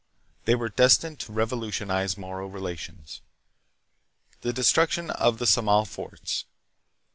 They were destined to revolutionize Moro relations. The Destruction of the Samal Forts.